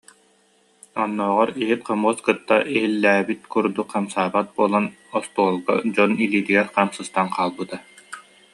Оннооҕор иһит-хомуос кытта иһиллээбит курдук хамсаабат буолан, остуолга, дьон илиитигэр хам сыстан хаалбыта